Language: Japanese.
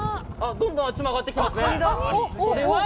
どんどんあっちも揚がってきてますね。